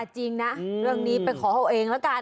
จริงนะเรื่องนี้ไปขอเอาเองแล้วกัน